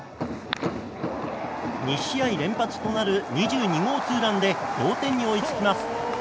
２試合連発となる２２号ツーランで同点に追いつきます。